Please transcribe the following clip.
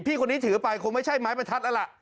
พี่คนนี้ถือไปคงไม่ใช่ไม้ประทัดแล้วล่ะ